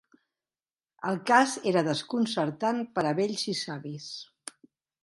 El cas era desconcertant per a vells i savis.